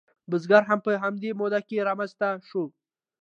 بزګري هم په همدې موده کې رامنځته شوه.